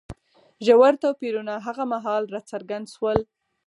ژور توپیرونه هغه مهال راڅرګند شول.